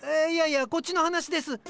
いやいやこっちの話です。